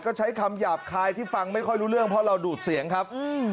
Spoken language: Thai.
ก็ใช้คำหยาบคายที่ฟังไม่ค่อยรู้เรื่องเพราะเราดูดเสียงครับ